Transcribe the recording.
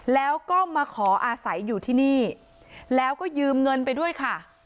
แล้วก็มาขออาศัยอยู่ที่นี่แล้วก็ยืมเงินไปด้วยค่ะ